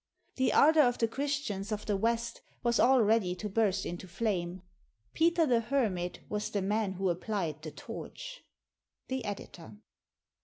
The ardor of the Chris tians of the West was all ready to burst into flame. Peter the Hermit was the man who applied the torch. The Editor.